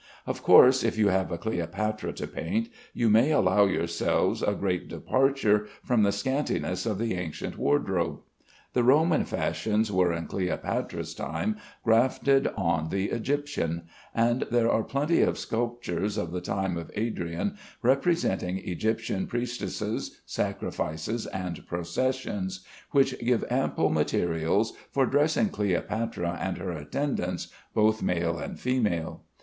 Of course, if you have a Cleopatra to paint, you may allow yourselves a great departure from the scantiness of the ancient wardrobe. The Roman fashions were in Cleopatra's time grafted on the Egyptian, and there are plenty of sculptures of the time of Adrian representing Egyptian priestesses, sacrifices, and processions, which give ample materials for dressing Cleopatra and her attendants, both male and female.